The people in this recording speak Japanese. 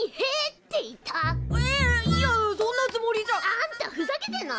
あんたふざけてんの？